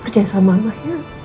percaya sama mama ya